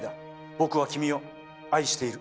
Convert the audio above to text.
僕は君を愛している。